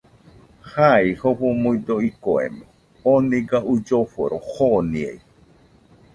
Jai, Jofo nuido ikoemo, oo niga uilloforo joniai